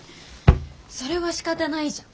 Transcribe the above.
それはしかたないじゃん。